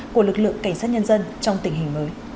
của lực lượng cảnh sát nhân quyền